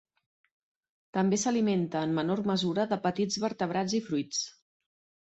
També s'alimenta, en menor mesura, de petits vertebrats i fruits.